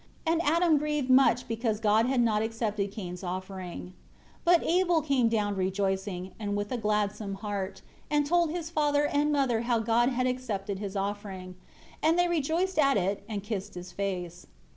And Adam grieved much because God had not accepted Cain's offering. 29 But Abel came down rejoicing, and with a gladsome heart, and told his father and mother how God had accepted his offering. And they rejoiced at it and kissed his face.